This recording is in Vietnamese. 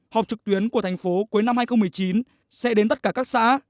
họp trực tuyến của thành phố cuối năm hai nghìn một mươi chín sẽ đến tất cả các xã